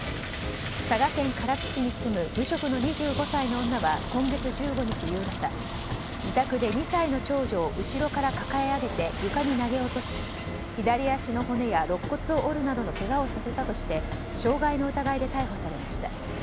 佐賀県唐津市に住む無職の２５歳の女は今月１５日夕方自宅で２歳の長女を後ろから抱え上げて床に投げ落とし左足の骨や、ろっ骨を折るなどのけがをさせたとして傷害の疑いで逮捕されました。